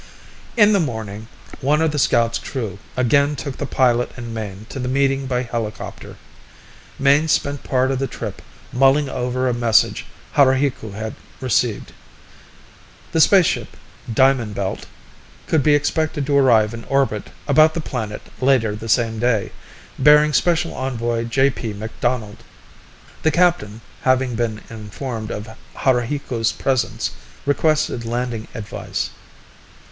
In the morning, one of the scout's crew again took the pilot and Mayne to the meeting by helicopter. Mayne spent part of the trip mulling over a message Haruhiku had received. The spaceship Diamond Belt could be expected to arrive in orbit about the planet later the same day, bearing special envoy J. P. McDonald. The captain, having been informed of Haruhiku's presence, requested landing advice.